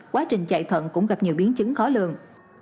quá trình chạy thận cũng gặp nhiều biến chứng khó lường